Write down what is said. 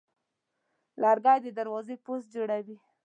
لرګی د دروازې پوست جوړوي.